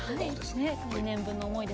２年分の思いで。